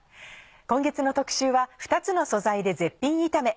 今月の特集は「２つの素材で絶品炒め」。